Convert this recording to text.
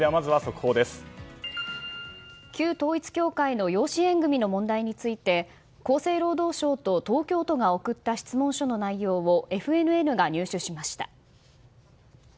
旧統一教会の養子縁組の問題について厚生労働省と東京都が送った質問書の内容をＦＮＮが入手しました。